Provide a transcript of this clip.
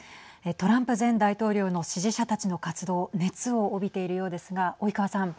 トランプ前大統領の支持者たちの活動熱を帯びているようですが及川さん。